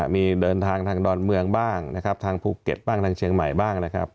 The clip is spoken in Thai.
มีเดินทางทางดอนเมืองบ้างทางภูเก็ตทางเชียงใหม่บ้าง